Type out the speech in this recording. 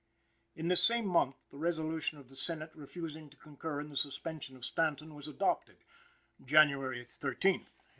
In this same month, the resolution of the Senate refusing to concur in the suspension of Stanton was adopted (January 13th, 1868).